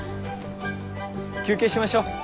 休憩しましょう。